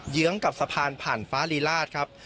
เยื้องกับสะพานผ่านฟ้ารีราชครับ